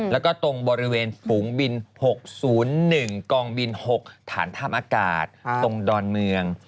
แล้วก็ตรงบริเวณฝูงบิน๖๐๑กองบิน๖ฐานท่ามอากาศตรงดอนเมือง